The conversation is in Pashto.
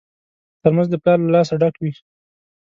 ترموز د پلار له لاسه ډک وي.